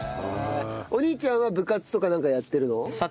お兄ちゃんは部活とかなんかやってるの？